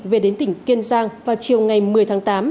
về đến tỉnh kiên giang vào chiều ngày một mươi tháng tám